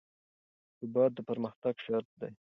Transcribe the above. ثبات د پرمختګ شرط دی